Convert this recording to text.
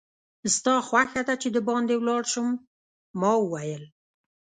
ستا خوښه ده چې دباندې ولاړ شم؟ ما وویل.